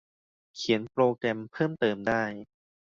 เขียนโปรแกรมเพิ่มเติมได้